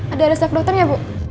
ada resep dokternya bu